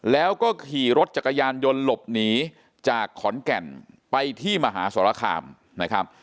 แล้วก็ขี่รถจักรยานยนต์หลบหนีจากขอนแก่นไปที่มหาสรคามนะครับ